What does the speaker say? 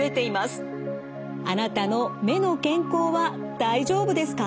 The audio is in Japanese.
あなたの目の健康は大丈夫ですか？